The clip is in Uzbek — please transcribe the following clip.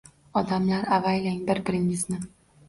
Odamlar, avaylang bir-biringizni...